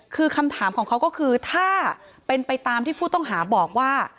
คือคำถามของเขาก็คือถ้าเป็นไปตามที่ผู้ต้องหาบอกว่า